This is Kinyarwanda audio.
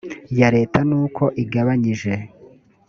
ya leta n uko igabanyije